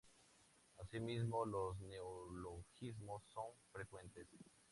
Asimismo, los neologismos son frecuentes.